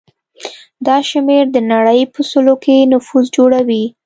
دا شمېر د نړۍ په سلو کې نفوس جوړوي.